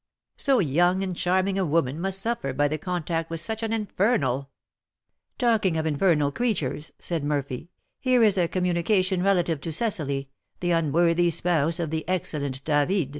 So young and charming a woman must suffer by the contact with such an infernal " "Talking of infernal creatures," said Murphy, "here is a communication relative to Cecily, the unworthy spouse of the excellent David."